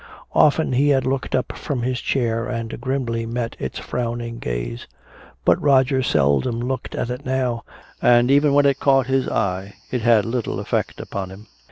Often he had looked up from his chair and grimly met its frowning gaze. But Roger seldom looked at it now, and even when it caught his eye it had little effect upon him.